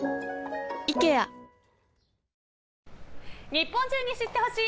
日本中に知って欲しい！